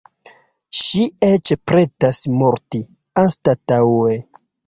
Ŝi eĉ pretas morti, anstataŭe.